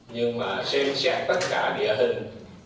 nhưng mà xem xét tất cả địa hình